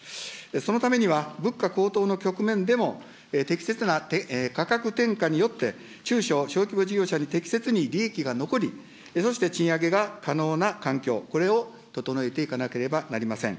そのためには、物価高騰の局面でも適切な価格転嫁によって、中小・小規模事業者に適切に利益が残り、そして賃上げが可能な環境、これを整えていかなければなりません。